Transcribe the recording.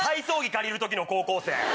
借りる時の高校生！